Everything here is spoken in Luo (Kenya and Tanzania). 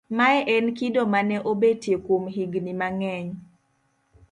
mae en kido mane obetie kuom higni mang'eny